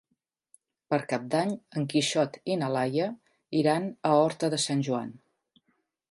Per Cap d'Any en Quixot i na Laia iran a Horta de Sant Joan.